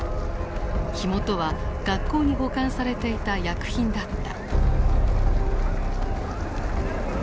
火元は学校に保管されていた薬品だった。